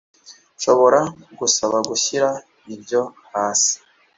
nshobora kugusaba gushyira ibyo hasi